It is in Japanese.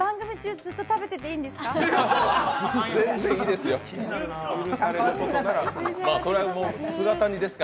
ずっと食べてていいんですか。